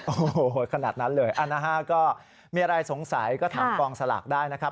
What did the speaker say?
โอ้โหขนาดนั้นเลยนะฮะก็มีอะไรสงสัยก็ถามกองสลากได้นะครับ